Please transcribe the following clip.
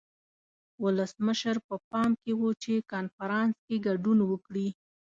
ولسمشر په پام کې و چې کنفرانس کې ګډون وکړي.